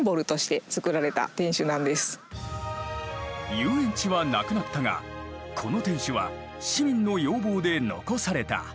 遊園地はなくなったがこの天守は市民の要望で残された。